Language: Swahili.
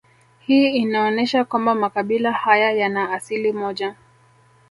Hii inaonesha kwamba makabila haya yana asili moja